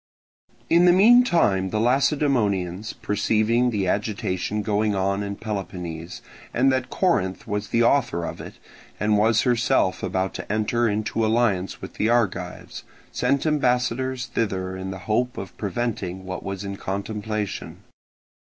In the meantime the Lacedaemonians perceiving the agitation going on in Peloponnese, and that Corinth was the author of it and was herself about to enter into alliance with the Argives, sent ambassadors thither in the hope of preventing what was in contemplation.